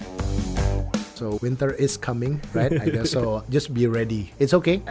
jadi musim panas akan datang jadi siap saja